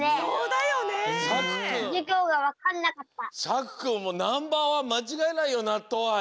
さくくんもうナンバーワンまちがいないよなっとうあい！